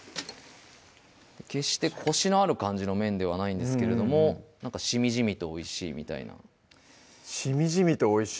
決してコシのある感じの麺ではないんですけれどもしみじみとおいしいみたいな「しみじみとおいしい」